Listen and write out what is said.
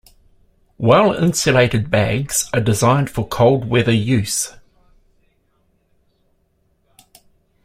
Well-insulated bags are designed for cold weather use.